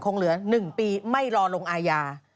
เหลือ๑ปีไม่รอลงอาญา